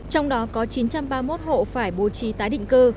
trong đó có chín trăm ba mươi một hộ phải bố trí tái định cư